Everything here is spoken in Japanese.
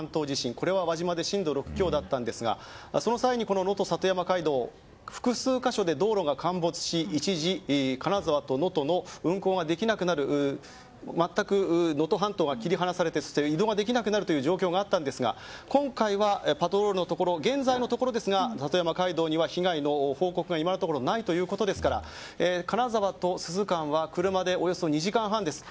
これは輪島で震度６強だったんですがその際に、能登里山街道複数箇所で道路が陥没し一時、金沢と能登の運行ができなくなる全く能登半島が切り離されて移動ができなくなるという状況があったんですが今回はパトロールのところ現在のところ里山海道には被害の報告がないということですから金沢と珠洲間は車でおよそ２時間半です。